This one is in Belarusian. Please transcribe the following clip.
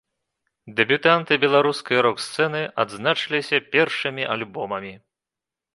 Дэбютанты беларускай рок-сцэны адзначыліся першымі альбомамі.